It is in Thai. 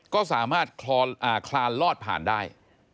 ก็สามารถคลานลอดผ่านได้